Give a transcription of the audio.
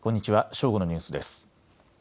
正午のニュースです。